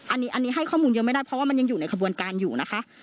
อันนี้ให้ข้อมูลเยอะไม่ได้เพราะว่ามันยังอยู่ในขบวนการอยู่นะคะ